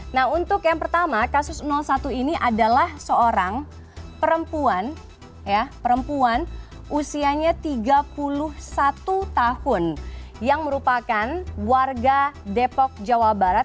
nah untuk yang pertama kasus satu ini adalah seorang perempuan usianya tiga puluh satu tahun yang merupakan warga depok jawa barat